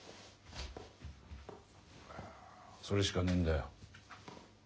それしかねえんだよ